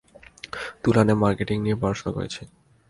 তুলানে marketing নিয়ে পড়াশোনা করেছি।